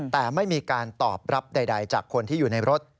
แต่ไม่มีการตอบรับใดจากคนที่อยู่ในรถ